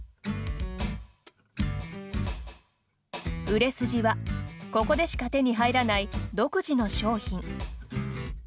売れ筋はここでしか手に入らない独自の商品。